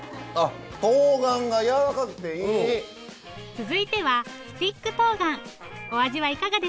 続いてはスティックとうがん。